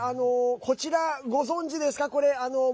こちら、ご存じですか？